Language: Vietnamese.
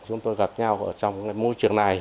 chúng tôi gặp nhau ở trong môi trường này